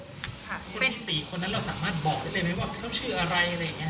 เป็นสีคนนั้นเราสามารถบอกได้เลยไหมว่าเขาชื่ออะไร